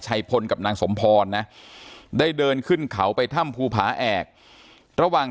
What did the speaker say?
พลกับนางสมพรนะได้เดินขึ้นเขาไปถ้ำภูผาแอกระหว่าง